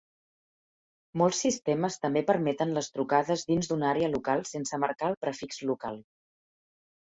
Molts sistemes també permeten les trucades dins d'una àrea local sense marcar el prefix local.